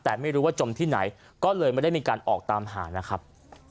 แต่ไม่รู้ว่าจมที่ไหนก็เลยไม่ได้มีการออกตามหานะครับ